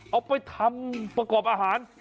เอาไปทำประกอบอาหาร